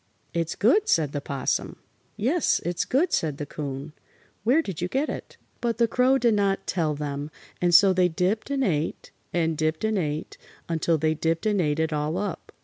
"It's good," said the 'Possum. "Yes, it's good," said the 'Coon. "Where did you get it?" But the Crow did not tell them, and so they dipped and ate, and dipped and ate, until they dipped and ate it all up.